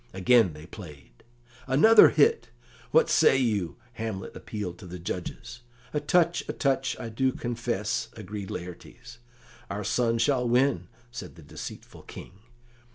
Again they played. "Another hit! What say you?" Hamlet appealed to the judges. "A touch, a touch, I do confess," agreed Laertes. "Our son shall win," said the deceitful King.